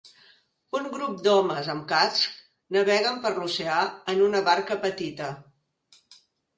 Un grup d'homes amb cascs naveguen per l'oceà en una barca petita.